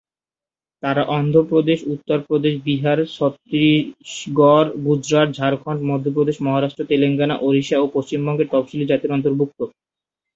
তারা অন্ধ্রপ্রদেশ, উত্তরপ্রদেশ, বিহার, ছত্তিশগড়, গুজরাট, ঝাড়খণ্ড, মধ্যপ্রদেশ, মহারাষ্ট্র, তেলেঙ্গানা, ওড়িশা ও পশ্চিমবঙ্গে তফসিলি জাতির অন্তর্ভুক্ত।